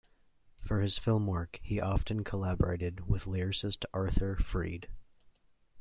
For his film work, he often collaborated with lyricist Arthur Freed.